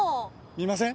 見ません？